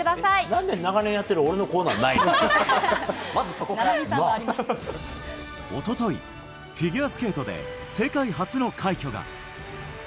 なんで長年やってる俺のコーおととい、フィギュアスケートで世界初の快挙が。